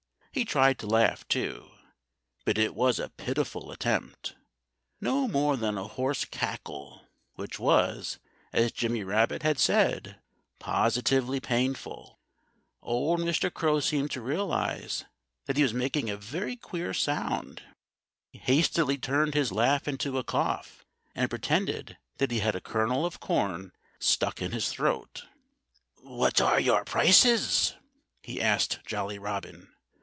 He tried to laugh, too; but it was a pitiful attempt no more than a hoarse cackle, which was, as Jimmy Rabbit had said, positively painful. Old Mr. Crow seemed to realize that he was making a very queer sound. He hastily turned his laugh into a cough and pretended that he had a kernel of corn stuck in his throat. "What are your prices?" he asked Jolly Robin.